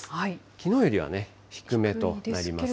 きのうよりはね、低めとなります